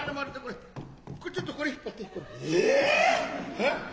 えっ。